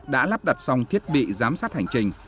đã lắp đặt xong thiết bị giám sát hành trình